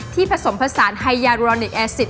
ที่ผสมผสานไฮยาลูารอนิกแอสซิต